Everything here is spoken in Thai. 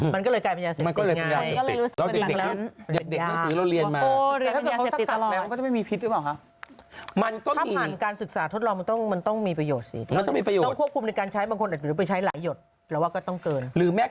มันก็เลยมันก็เลยเป็นปัญญาเสพติด